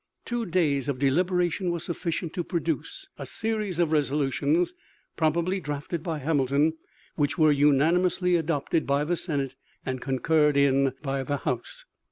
Two days of deliberation were sufficient to produce a series of resolutions, probably drafted by Hamilton, which were unanimously adopted by the Senate and concurred in by the House.